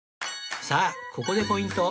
さあここでポイント